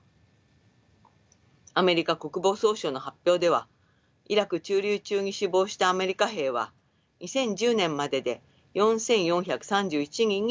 アメリカ国防総省の発表ではイラク駐留中に死亡したアメリカ兵は２０１０年までで４，４３１人に上ります。